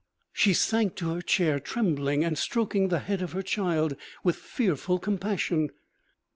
She sank to her chair, trembling and stroking the head of her child with fearful compassion.